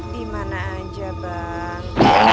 dimana aja bang